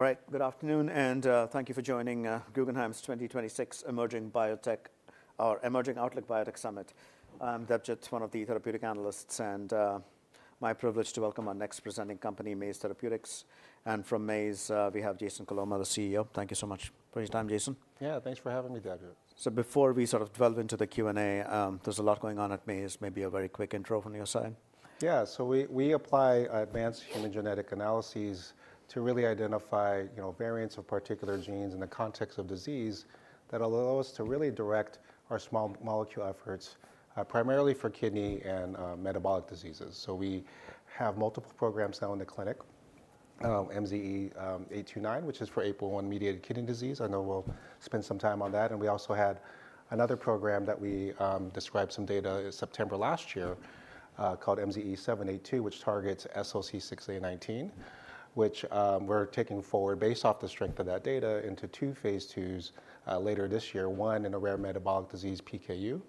All right, good afternoon, and thank you for joining Guggenheim's 2026 Emerging Biotech or Emerging Outlook Biotech Summit. I'm Debjit, one of the therapeutic analysts, and my privilege to welcome our next presenting company, Maze Therapeutics. And from Maze, we have Jason Coloma, the CEO. Thank you so much for your time, Jason. Yeah, thanks for having me, Debjit. Before we sort of delve into the Q&A, there's a lot going on at Maze, maybe a very quick intro from your side? Yeah. So we apply advanced human genetic analyses to really identify, you know, variants of particular genes in the context of disease, that allow us to really direct our small molecule efforts, primarily for kidney and metabolic diseases. So we have multiple programs now in the clinic. MZE829, which is for APOL1-mediated kidney disease. I know we'll spend some time on that, and we also had another program that we described some data in September last year, called MZE782, which targets SLC6A19, which we're taking forward, based off the strength of that data, into two phase 2s, later this year: one in a rare metabolic disease, PKU,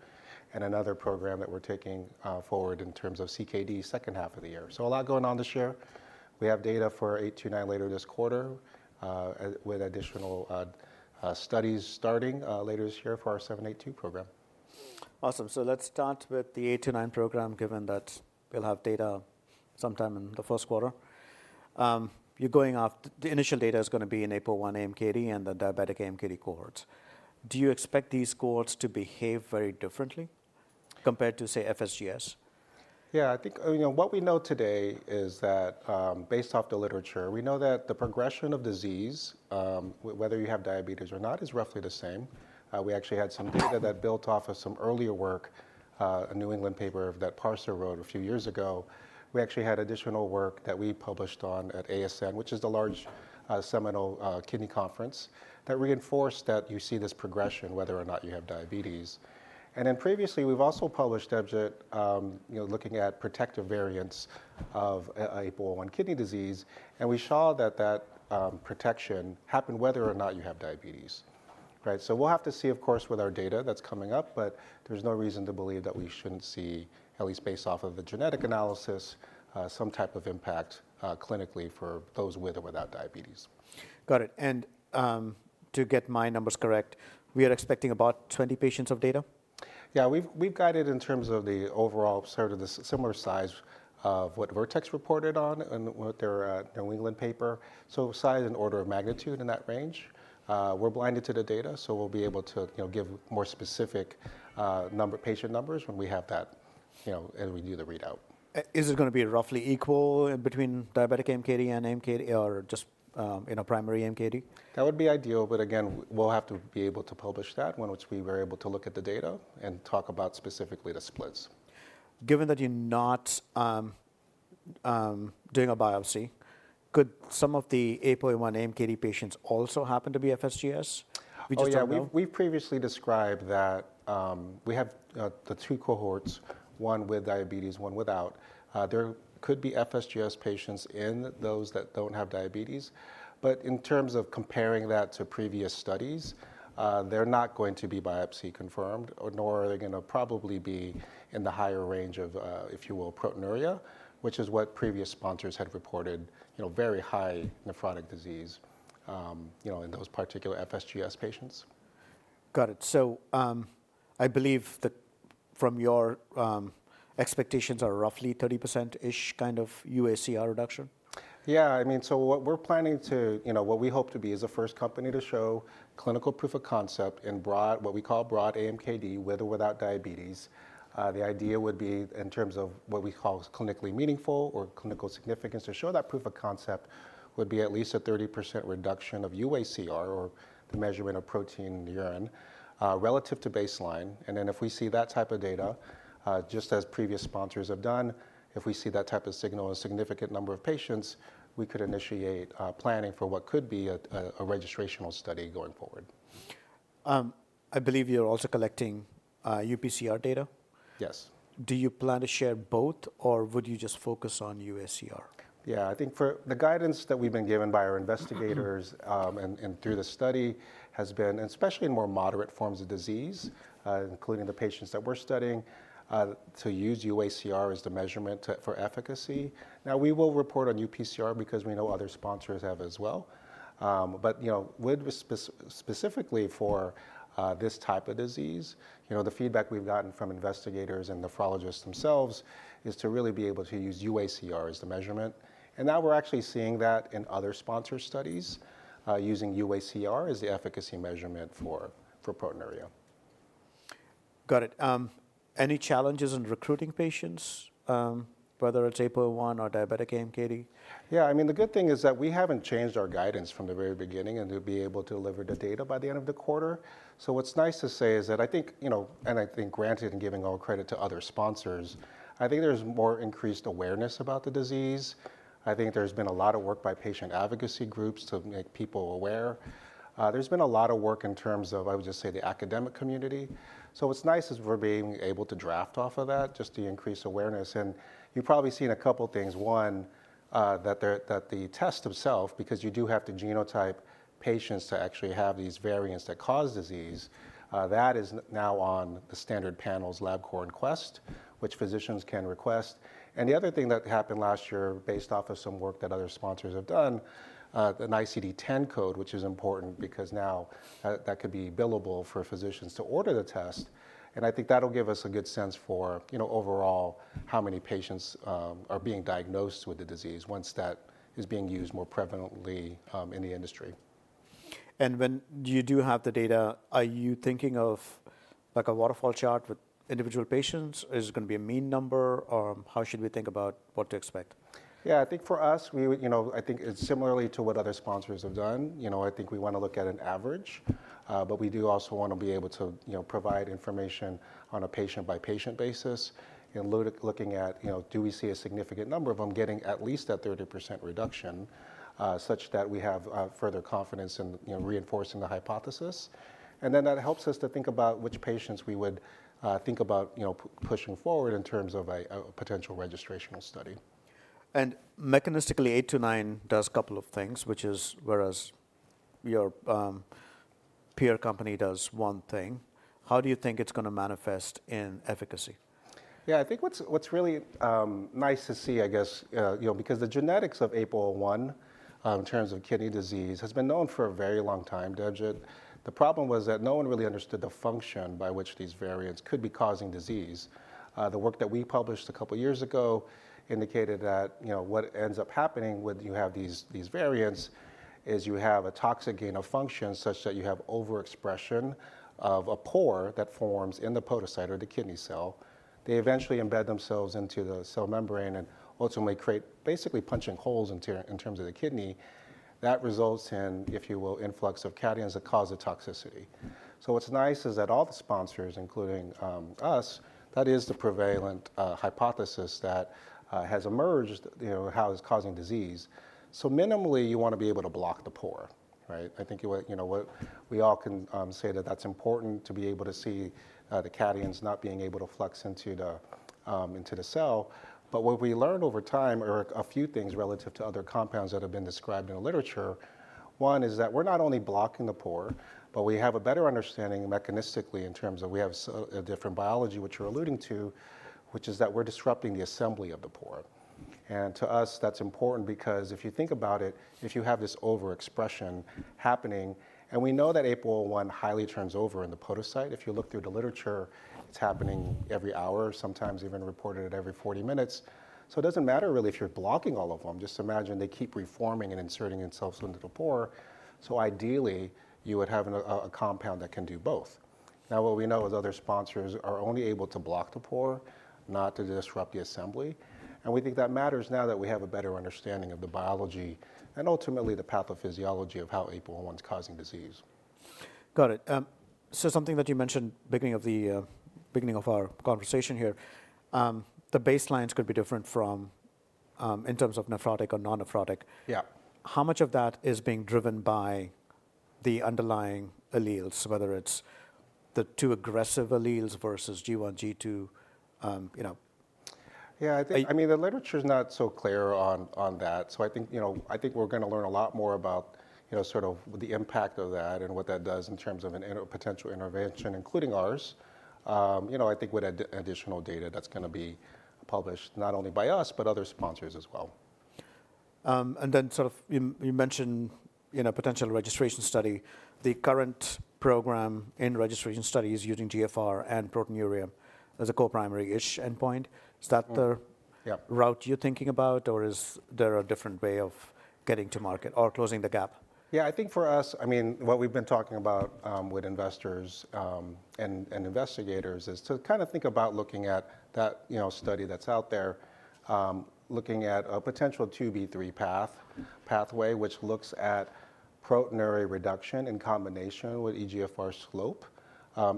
and another program that we're taking forward in terms of CKD, second half of the year. So a lot going on this year. We have data for MZE829 later this quarter, with additional studies starting later this year for our MZE782 program. Awesome. So let's start with the MZE829 program, given that we'll have data sometime in the first quarter. You're going off—the initial data is going to be in APOL1 AMKD and the diabetic AMKD cohorts. Do you expect these cohorts to behave very differently compared to, say, FSGS? Yeah, I think, you know, what we know today is that, based off the literature, we know that the progression of disease, whether you have diabetes or not, is roughly the same. We actually had some data that built off of some earlier work, a New England paper that Parsa wrote a few years ago. We actually had additional work that we published on at ASN, which is the large, seminal, kidney conference, that reinforced that you see this progression whether or not you have diabetes. And then previously, we've also published, Debjit, you know, looking at protective variants of APOL1 kidney disease, and we saw that that protection happened whether or not you have diabetes, right? So we'll have to see, of course, with our data that's coming up, but there's no reason to believe that we shouldn't see, at least based off of the genetic analysis, some type of impact, clinically for those with or without diabetes. Got it. And, to get my numbers correct, we are expecting about 20 patients of data? Yeah, we've guided in terms of the overall, sort of the similar size of what Vertex reported on in what their New England paper, so size and order of magnitude in that range. We're blinded to the data, so we'll be able to, you know, give more specific number, patient numbers when we have that, you know, and we do the readout. Is it gonna be roughly equal between diabetic AMKD and AMKD... or just in a primary AMKD? That would be ideal, but again, we'll have to be able to publish that, once we were able to look at the data and talk about specifically the splits. Given that you're not doing a biopsy, could some of the APOL1 AMKD patients also happen to be FSGS? We just don't know. Oh, yeah, we've previously described that, we have the three cohorts, one with diabetes, one without. There could be FSGS patients in those that don't have diabetes, but in terms of comparing that to previous studies, they're not going to be biopsy-confirmed, or nor are they gonna probably be in the higher range of, if you will, proteinuria, which is what previous sponsors had reported, you know, very high nephrotic disease, you know, in those particular FSGS patients. Got it. So, I believe that from your expectations are roughly 30%-ish kind of UACR reduction? Yeah, I mean, so what we're planning to, you know, what we hope to be is the first company to show clinical proof of concept in broad, what we call broad AMKD, with or without diabetes. The idea would be, in terms of what we call clinically meaningful or clinical significance, to show that proof of concept would be at least a 30% reduction of UACR, or the measurement of protein in the urine, relative to baseline. And then if we see that type of data, just as previous sponsors have done, if we see that type of signal in a significant number of patients, we could initiate planning for what could be a, a registrational study going forward. I believe you're also collecting, UPCR data? Yes. Do you plan to share both, or would you just focus on UACR? Yeah, I think for the guidance that we've been given by our investigators, and through the study, has been, and especially in more moderate forms of disease, including the patients that we're studying, to use UACR as the measurement for efficacy. Now, we will report on UPCR because we know other sponsors have as well. But, you know, with specifically for this type of disease, you know, the feedback we've gotten from investigators and nephrologists themselves is to really be able to use UACR as the measurement. And now we're actually seeing that in other sponsor studies, using UACR as the efficacy measurement for proteinuria. Got it. Any challenges in recruiting patients, whether it's APOL1 or diabetic AMKD? Yeah, I mean, the good thing is that we haven't changed our guidance from the very beginning, and to be able to deliver the data by the end of the quarter. So what's nice to say is that I think, you know, and I think, granted, and giving all credit to other sponsors, I think there's more increased awareness about the disease. I think there's been a lot of work by patient advocacy groups to make people aware. There's been a lot of work in terms of, I would just say, the academic community. So what's nice is we're being able to draft off of that, just to increase awareness. You've probably seen a couple things: One, that the test itself, because you do have to genotype patients to actually have these variants that cause disease, that is now on the standard panels LabCorp and Quest, which physicians can request. And the other thing that happened last year, based off of some work that other sponsors have done, an ICD-10 code, which is important because now, that could be billable for physicians to order the test, and I think that'll give us a good sense for, you know, overall, how many patients are being diagnosed with the disease once that is being used more prevalently, in the industry. When you do have the data, are you thinking of like a waterfall chart with individual patients? Is it gonna be a mean number, or how should we think about what to expect? Yeah, I think for us, we would, you know, I think it's similarly to what other sponsors have done. You know, I think we wanna look at an average, but we do also wanna be able to, you know, provide information on a patient-by-patient basis and looking at, you know, do we see a significant number of them getting at least that 30% reduction, such that we have further confidence in, you know, reinforcing the hypothesis? And then that helps us to think about which patients we would think about, you know, pushing forward in terms of a potential registrational study. Mechanistically, 8-9 does a couple of things, which is whereas your peer company does one thing. How do you think it's gonna manifest in efficacy? Yeah, I think what's really nice to see, I guess, you know, because the genetics of APOL1 in terms of kidney disease has been known for a very long time, Debjit. The problem was that no one really understood the function by which these variants could be causing disease. The work that we published a couple of years ago indicated that, you know, what ends up happening when you have these variants is you have a toxic gain-of-function such that you have overexpression of a pore that forms in the podocyte or the kidney cell. They eventually embed themselves into the cell membrane and ultimately create... basically punching holes in terms of the kidney. That results in, if you will, influx of cations that cause the toxicity. So what's nice is that all the sponsors, including us, that is, the prevalent hypothesis that has emerged, you know, how it's causing disease. So minimally, you wanna be able to block the pore, right? I think, you know what? We all can say that that's important to be able to see the cations not being able to flux into the cell. But what we learned over time are a few things relative to other compounds that have been described in the literature. One is that we're not only blocking the pore, but we have a better understanding mechanistically in terms of we have a different biology, which you're alluding to, which is that we're disrupting the assembly of the pore. To us, that's important because if you think about it, if you have this overexpression happening, and we know that APOL1 highly turns over in the podocyte. If you look through the literature, it's happening every hour, sometimes even reported every 40 minutes. So it doesn't matter really if you're blocking all of them. Just imagine they keep reforming and inserting themselves into the pore, so ideally, you would have an compound that can do both. Now, what we know is other sponsors are only able to block the pore, not to disrupt the assembly, and we think that matters now that we have a better understanding of the biology and ultimately the pathophysiology of how APOL1 is causing disease. Got it. So something that you mentioned beginning of our conversation here, the baselines could be different from in terms of nephrotic or non-nephrotic. Yeah. How much of that is being driven by the underlying alleles, whether it's the two aggressive alleles versus G1, G2, you know? Yeah, I think- I-... I mean, the literature is not so clear on that. So I think, you know, I think we're gonna learn a lot more about, you know, sort of the impact of that and what that does in terms of a potential intervention, including ours, you know, I think with additional data that's gonna be published not only by us, but other sponsors as well. And then sort of you mentioned, you know, potential registration study. The current program in registration study is using GFR and proteinuria as a co-primary-ish endpoint. Mm. Is that the- Yeah... route you're thinking about, or is there a different way of getting to market or closing the gap? Yeah, I think for us, I mean, what we've been talking about with investors and investigators is to kind of think about looking at that, you know, study that's out there, looking at a potential 2b pathway, which looks at proteinuria reduction in combination with eGFR slope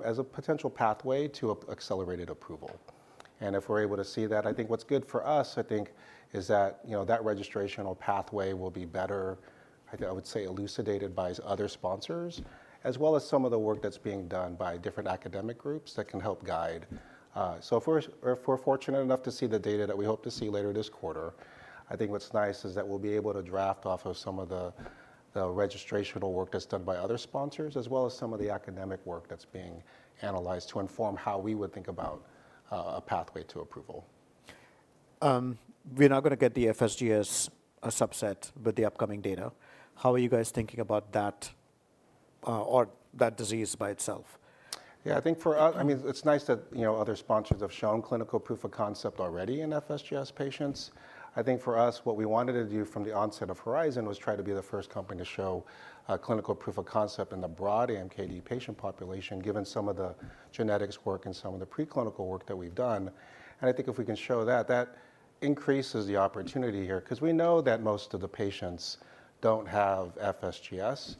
as a potential pathway to accelerated approval. And if we're able to see that, I think what's good for us, I think, is that, you know, that registrational pathway will be better, I would say, elucidated by other sponsors, as well as some of the work that's being done by different academic groups that can help guide. So, if we're fortunate enough to see the data that we hope to see later this quarter, I think what's nice is that we'll be able to draft off of some of the registrational work that's done by other sponsors, as well as some of the academic work that's being analyzed to inform how we would think about a pathway to approval. We're now gonna get the FSGS, a subset, with the upcoming data. How are you guys thinking about that, or that disease by itself? Yeah, I think for us, I mean, it's nice that, you know, other sponsors have shown clinical proof of concept already in FSGS patients. I think for us, what we wanted to do from the onset of HORIZON was try to be the first company to show a clinical proof of concept in the broad AMKD patient population, given some of the genetics work and some of the preclinical work that we've done. And I think if we can show that, that increases the opportunity here, 'cause we know that most of the patients don't have FSGS,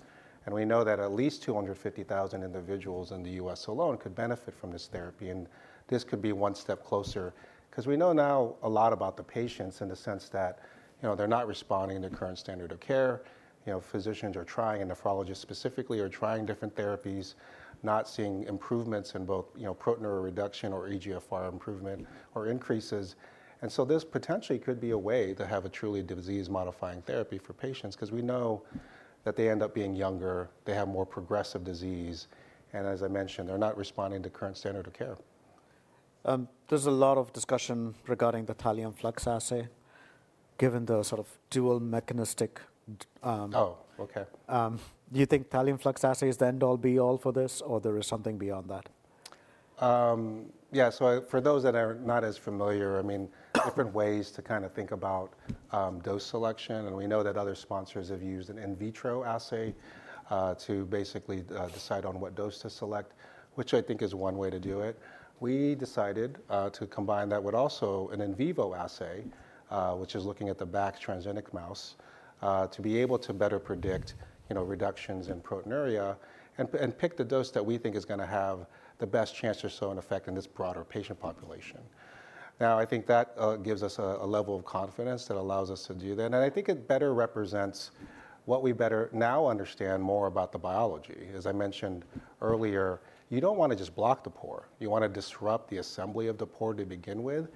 and we know that at least 250,000 individuals in the U.S. alone could benefit from this therapy, and this could be one step closer. 'Cause we know now a lot about the patients in the sense that, you know, they're not responding to current standard of care. You know, physicians are trying, and nephrologists specifically, are trying different therapies, not seeing improvements in both, you know, proteinuria reduction or eGFR improvement or increases. And so this potentially could be a way to have a truly disease-modifying therapy for patients 'cause we know that they end up being younger, they have more progressive disease, and as I mentioned, they're not responding to current standard of care.... there's a lot of discussion regarding the thallium flux assay, given the sort of dual mechanistic, Oh, okay. Do you think thallium flux assay is the end-all be-all for this, or there is something beyond that? Yeah, so for those that are not as familiar, I mean, different ways to kind of think about dose selection, and we know that other sponsors have used an in vitro assay to basically decide on what dose to select, which I think is one way to do it. We decided to combine that with also an in vivo assay, which is looking at the BAC transgenic mouse to be able to better predict, you know, reductions in proteinuria, and pick the dose that we think is going to have the best chance or so in effect in this broader patient population. Now, I think that gives us a level of confidence that allows us to do that. I think it better represents what we better now understand more about the biology. As I mentioned earlier, you don't want to just block the pore, you want to disrupt the assembly of the pore to begin with.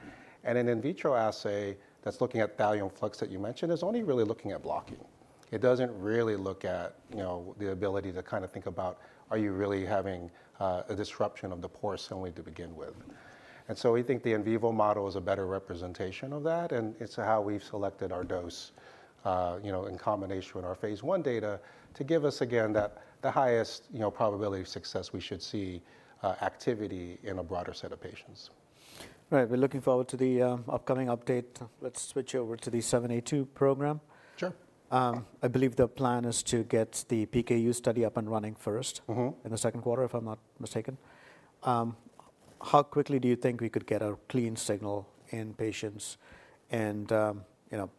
An in vitro assay that's looking at thallium flux that you mentioned is only really looking at blocking. It doesn't really look at, you know, the ability to kind of think about, are you really having a disruption of the pore solely to begin with? So we think the in vivo model is a better representation of that, and it's how we've selected our dose, you know, in combination with our Phase I data, to give us again that the highest, you know, probability of success, we should see activity in a broader set of patients. Right. We're looking forward to the upcoming update. Let's switch over to the 782 program. Sure. I believe the plan is to get the PKU study up and running first- Mm-hmm... in the second quarter, if I'm not mistaken. How quickly do you think we could get a clean signal in patients? And, you know,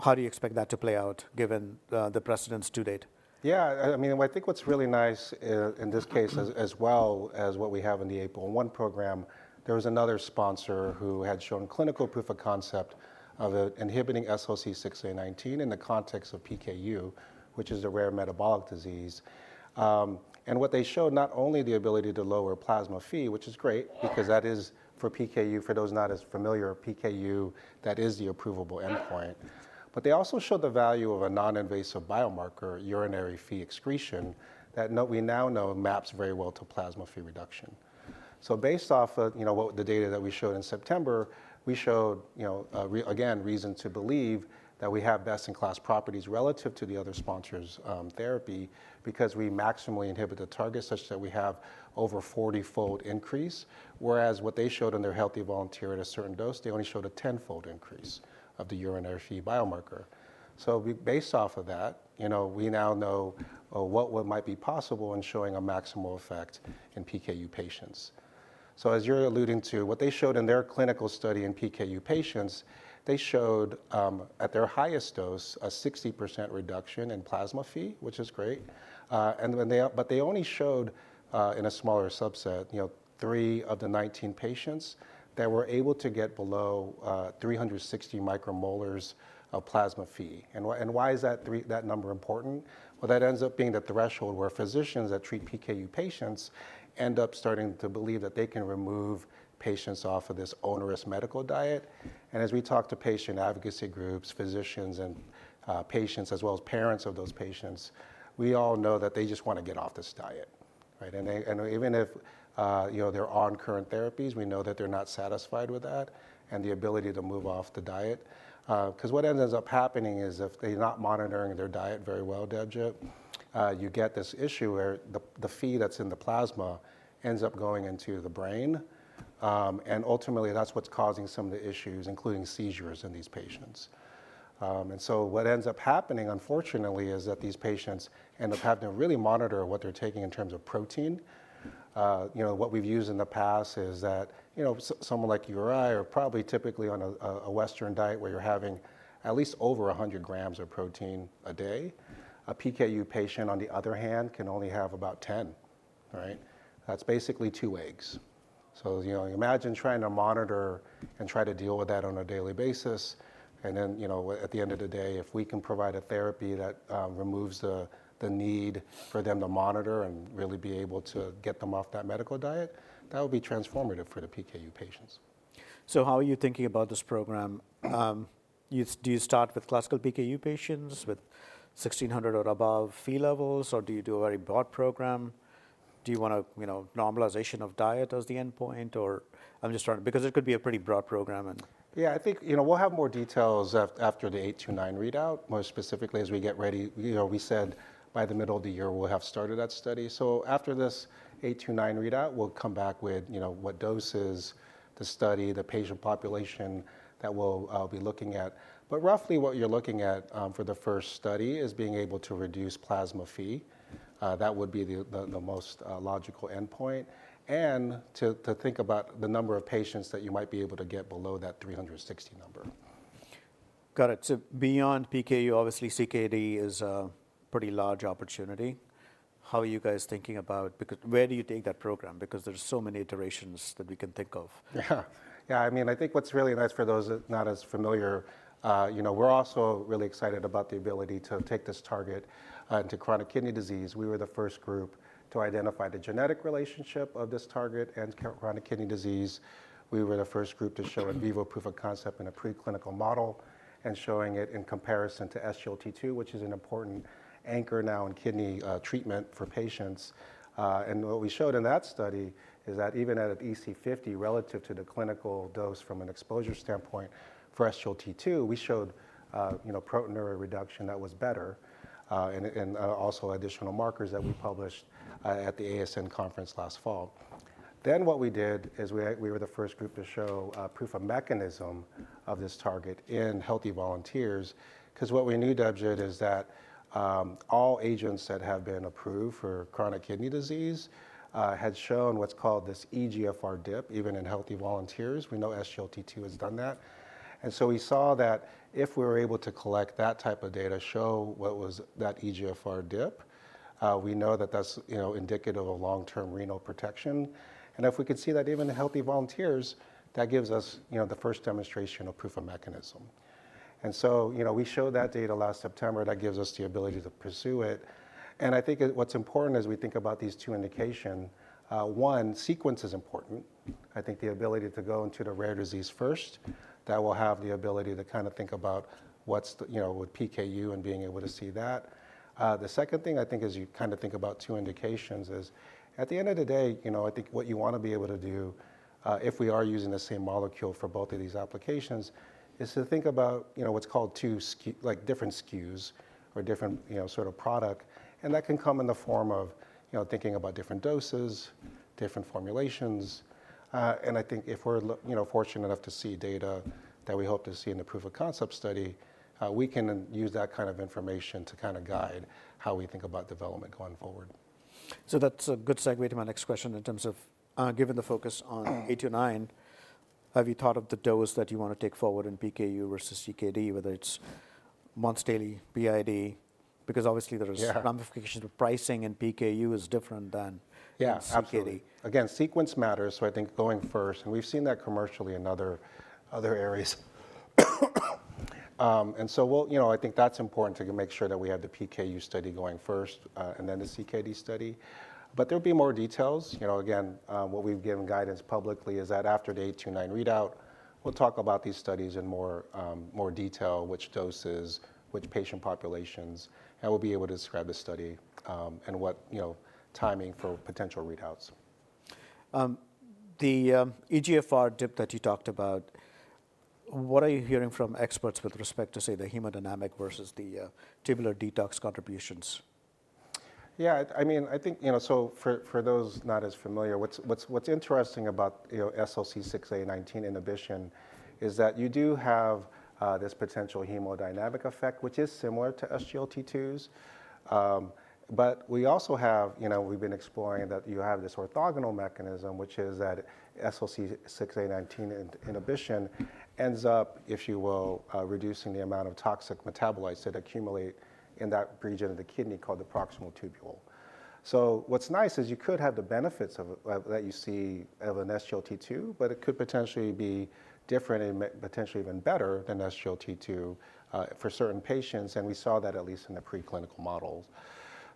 how do you expect that to play out, given the precedents to date? Yeah, I mean, I think what's really nice in this case, as well as what we have in the APOL1 program, there was another sponsor who had shown clinical proof of concept of an inhibiting SLC6A19 in the context of PKU, which is a rare metabolic disease. And what they showed, not only the ability to lower plasma Phe, which is great, because that is for PKU. For those not as familiar, PKU, that is the approvable endpoint. But they also showed the value of a non-invasive biomarker, urinary Phe excretion, that we now know maps very well to plasma Phe reduction. So based off of, you know, what the data that we showed in September, we showed, you know, reason to believe that we have best-in-class properties relative to the other sponsors', therapy, because we maximally inhibit the target such that we have over 40-fold increase, whereas what they showed in their healthy volunteer at a certain dose, they only showed a 10-fold increase of the urinary Phe biomarker. So based off of that, you know, we now know, what might be possible in showing a maximal effect in PKU patients. So as you're alluding to, what they showed in their clinical study in PKU patients, they showed, at their highest dose, a 60% reduction in plasma Phe, which is great. But they only showed, in a smaller subset, you know, 3 of the 19 patients that were able to get below 360 micromolars of plasma Phe. And why is that number important? Well, that ends up being the threshold where physicians that treat PKU patients end up starting to believe that they can remove patients off of this onerous medical diet. And as we talk to patient advocacy groups, physicians and patients, as well as parents of those patients, we all know that they just want to get off this diet, right? And even if, you know, they're on current therapies, we know that they're not satisfied with that and the ability to move off the diet. 'Cause what ends up happening is, if they're not monitoring their diet very well, Debjit, you get this issue where the Phe that's in the plasma ends up going into the brain, and ultimately, that's what's causing some of the issues, including seizures in these patients. And so what ends up happening, unfortunately, is that these patients end up having to really monitor what they're taking in terms of protein. You know, what we've used in the past is that, you know, someone like you or I are probably typically on a Western diet where you're having at least over 100 grams of protein a day. A PKU patient, on the other hand, can only have about 10, right? That's basically two eggs. So, you know, imagine trying to monitor and try to deal with that on a daily basis. Then, you know, at the end of the day, if we can provide a therapy that removes the need for them to monitor and really be able to get them off that medical diet, that would be transformative for the PKU patients. So how are you thinking about this program? Do you start with classical PKU patients with 1600 or above Phe levels, or do you do a very broad program? Do you want a, you know, normalization of diet as the endpoint, or... I'm just trying because it could be a pretty broad program, and- Yeah, I think, you know, we'll have more details after the 829 readout, more specifically as we get ready. You know, we said by the middle of the year, we'll have started that study. So after this 829 readout, we'll come back with, you know, what doses, the study, the patient population that we'll be looking at. But roughly what you're looking at for the first study is being able to reduce plasma Phe. That would be the most logical endpoint, and to think about the number of patients that you might be able to get below that 360 number. Got it. So beyond PKU, obviously, CKD is a pretty large opportunity. How are you guys thinking about—because where do you take that program? Because there's so many iterations that we can think of. Yeah. Yeah, I mean, I think what's really nice for those that are not as familiar, you know, we're also really excited about the ability to take this target to chronic kidney disease. We were the first group to identify the genetic relationship of this target and chronic kidney disease. We were the first group to show in vivo proof of concept in a preclinical model and showing it in comparison to SGLT2, which is an important anchor now in kidney treatment for patients. And what we showed in that study is that even at an EC50 relative to the clinical dose from an exposure standpoint for SGLT2, we showed, you know, proteinuria reduction that was better, and also additional markers that we published at the ASN conference last fall. Then what we did is we were the first group to show proof of mechanism of this target in healthy volunteers. 'Cause what we knew, Debjit, is that all agents that have been approved for chronic kidney disease had shown what's called this eGFR dip, even in healthy volunteers. We know SGLT2 has done that. And so we saw that if we were able to collect that type of data, show what was that eGFR dip, we know that that's, you know, indicative of long-term renal protection. And if we could see that even in healthy volunteers, that gives us, you know, the first demonstration of proof of mechanism. And so, you know, we showed that data last September. That gives us the ability to pursue it, and I think what's important as we think about these two indication, one, sequence is important. I think the ability to go into the rare disease first, that will have the ability to kind of think about what's the, you know, with PKU and being able to see that. The second thing, I think, as you kind of think about two indications is, at the end of the day, you know, I think what you want to be able to do, if we are using the same molecule for both of these applications, is to think about, you know, what's called two SKU, like, different SKUs or different, you know, sort of product. And that can come in the form of, you know, thinking about different doses, different formulations. I think if we're fortunate enough to see data that we hope to see in the proof of concept study, we can then use that kind of information to kind of guide how we think about development going forward. So that's a good segue to my next question in terms of, given the focus on MZE829, have you thought of the dose that you want to take forward in PKU versus CKD, whether it's once daily, BID? Because obviously, there is- Yeah... ramifications with pricing, and PKU is different than- Yeah, absolutely CKD. Again, sequence matters, so I think going first, and we've seen that commercially in other areas. And so we'll, you know, I think that's important to make sure that we have the PKU study going first, and then the CKD study. But there'll be more details. You know, again, what we've given guidance publicly is that after the MZE829 readout, we'll talk about these studies in more detail, which doses, which patient populations, and we'll be able to describe the study, and what, you know, timing for potential readouts. The eGFR dip that you talked about, what are you hearing from experts with respect to, say, the hemodynamic versus the tubular detox contributions? Yeah, I mean, I think, you know, so for those not as familiar, what's interesting about, you know, SLC6A19 inhibition is that you do have this potential hemodynamic effect, which is similar to SGLT2s. But we also have. You know, we've been exploring that you have this orthogonal mechanism, which is that SLC6A19 inhibition ends up, if you will, reducing the amount of toxic metabolites that accumulate in that region of the kidney called the proximal tubule. So what's nice is you could have the benefits of that you see of an SGLT2, but it could potentially be different and potentially even better than SGLT2 for certain patients, and we saw that at least in the preclinical models.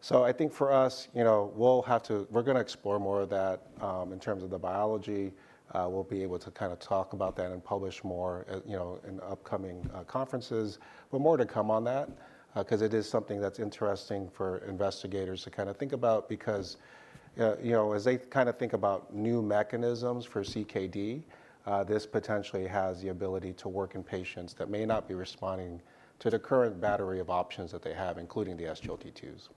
So I think for us, you know, we'll have to - we're gonna explore more of that, in terms of the biology. We'll be able to kind of talk about that and publish more, you know, in upcoming conferences, but more to come on that, 'cause it is something that's interesting for investigators to kind of think about. Because, you know, as they kind of think about new mechanisms for CKD, this potentially has the ability to work in patients that may not be responding to the current battery of options that they have, including the SGLT2s.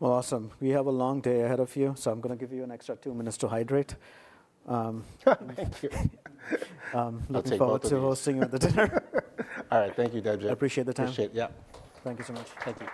Well, awesome. We have a long day ahead of you, so I'm gonna give you an extra two minutes to hydrate. Thank you. Um- I'll take both of them. Looking forward to hosting you at the dinner. All right. Thank you, Debjit. I appreciate the time. Appreciate it. Yeah. Thank you so much. Thank you.